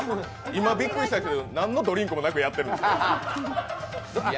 今、びっくりしたけど何のドリンクもなくやってる。